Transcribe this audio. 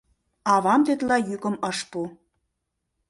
Авам тетла йӱкым ыш пу.